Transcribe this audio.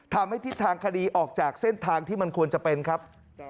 ทำให้ทิศทางคดีออกจากเส้นทางที่มันควรจะเป็นครับ